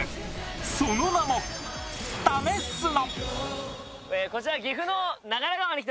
その名も「＃ためスノ」。